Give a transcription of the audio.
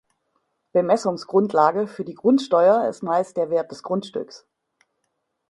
Bemessungsgrundlage für die Grundsteuer ist meist der Wert des Grundstücks.